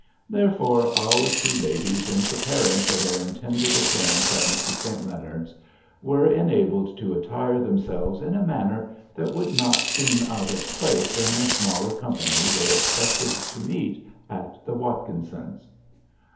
Therefore our two ladies in preparing for their intended appearance at Mrs. St. Leonard's, were enabled to attire themselves in a manner that would not seem out of place in the smaller company they expected to meet at the Watkinsons.